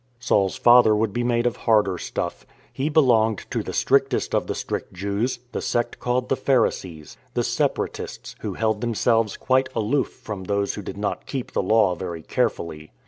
Saul's father would be made of harder stuff. He belonged to the strictest of the strict Jews, the sect called the Pharisees — the Separatists who held them selves quite aloof from those who did not keep the Law very carefully.